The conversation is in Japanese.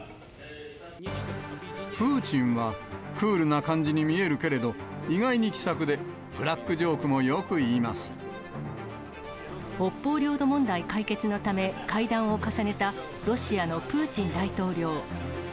プーチンは、クールな感じに見えるけれど、意外に気さくで、北方領土問題解決のため、会談を重ねたロシアのプーチン大統領。